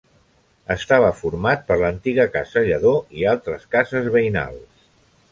Estava format per l'antiga casa Lledó i altres cases veïnals.